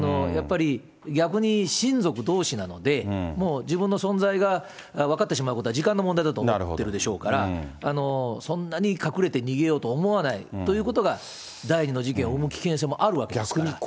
やっぱり逆に親族どうしなので、もう自分の存在が分かってしまうことは時間の問題だと思ってるでしょうから、そんなに隠れて逃げようと思わないということが、第２の事件を生む危険性もあるわけですから。